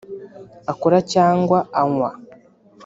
akora cyangwa anywa